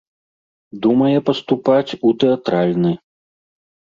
Думае паступаць у тэатральны.